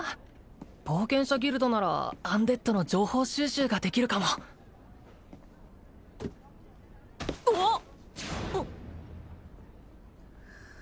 冒険者ギルドならアンデッドの情報収集ができるかもうわっ！